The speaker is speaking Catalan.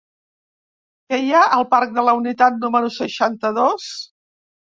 Què hi ha al parc de la Unitat número seixanta-dos?